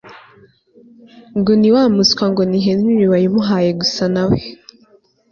ngo ni wa muswa ngo ni henry wayimuhaye gusa nawe